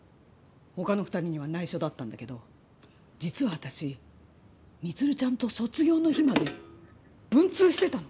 他の２人には内緒だったんだけど実は私充ちゃんと卒業式の日まで文通してたの。